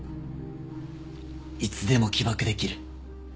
いつでも起爆できる。